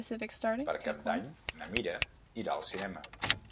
Per Cap d'Any na Mira irà al cinema.